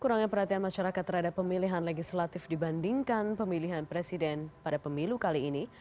kurangnya perhatian masyarakat terhadap pemilihan legislatif dibandingkan pemilihan presiden pada pemilu kali ini